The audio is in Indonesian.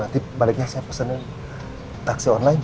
di baliknya saya pesenin taksi online